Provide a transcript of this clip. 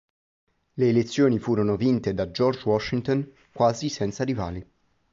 Le elezioni furono vinte da George Washington quasi senza rivali.